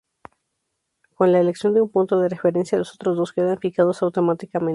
Con la elección de un punto de referencia, los otros dos quedan fijados automáticamente.